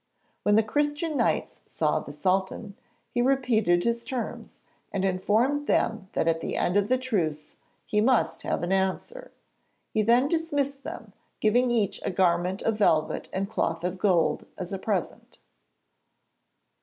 When the Christian Knights saw the Sultan, he repeated his terms, and informed them that at the end of the truce he must have an answer. He then dismissed them, giving each a garment of velvet and cloth of gold as a present.